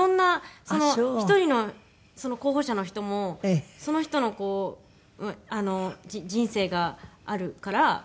１人の候補者の人もその人の人生があるから。